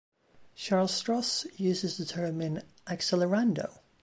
Charles Stross uses the term in "Accelerando".